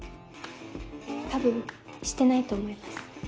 多分してないと思います。